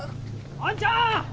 あんちゃん！